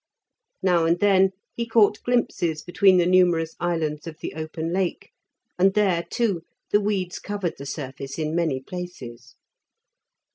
Now and then he caught glimpses between the numerous islands of the open Lake, and there, too, the weeds covered the surface in many places.